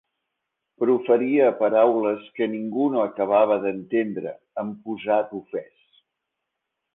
Proferia paraules que ningú no acabava d'entendre, amb posat ofès.